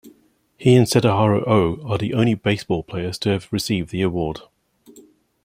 He and Sadaharu Oh are the only baseball players to have received the award.